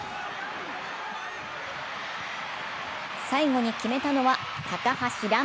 最後に締めたのは高橋藍。